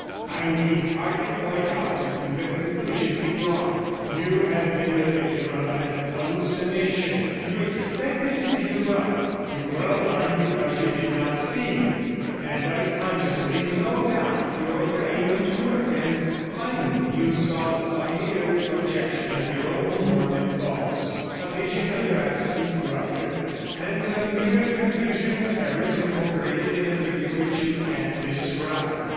I need hardly point out to you the conclusion to be drawn; you have been the victim of an hallucination. You expected to see your brother, you were alarmed because you did not see him, and unconsciously, no doubt, your brain went to work, and finally you saw a mere projection of your own morbid thoughts — a vision of your absent brother, and a mere confusion of terrors incorporated in a figure which you can't describe.